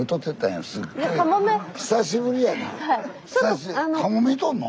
久しぶりやな。